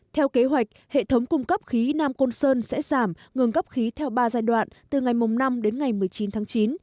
theo kế hoạch hệ thống cung cấp khí nam côn sơn sẽ giảm ngừng gấp khí theo ba giai đoạn từ ngày năm đến ngày một mươi chín tháng chín